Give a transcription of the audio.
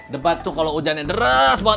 debat tuh kalau hujannya deras banget